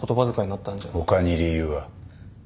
他に理由は。